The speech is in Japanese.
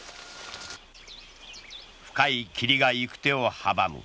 深い霧が行く手を阻む。